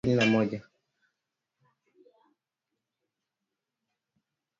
Mbili za Kenya (dola sabini na moja).